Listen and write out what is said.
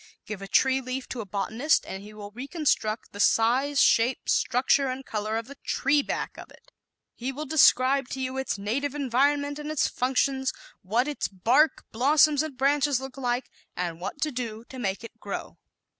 Give a tree leaf to a botanist and he will reconstruct the size, shape, structure and color of the tree back of it. He will describe to you its native environment and its functions; what its bark, blossoms and branches look like and what to do to make it grow.